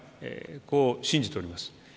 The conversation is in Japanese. こう信じております。